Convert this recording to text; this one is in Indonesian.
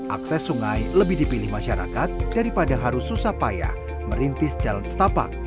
akses sungai lebih dipilih masyarakat daripada harus susah payah merintis jalan setapak